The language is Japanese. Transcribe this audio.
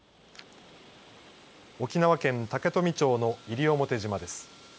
沖縄県竹富町の西表島です。